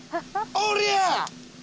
おりゃー！